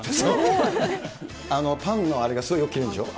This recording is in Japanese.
パンのあれがすごいよく切れるんでしょう。